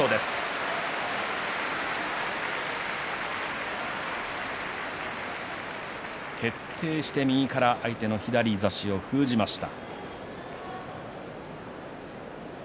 拍手徹底して右から相手の左差しを封じました。